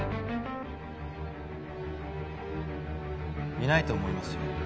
いないと思いますよ